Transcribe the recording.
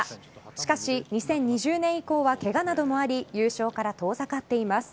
しかし２０２０年以降はケガなどもあり優勝から遠ざかっています。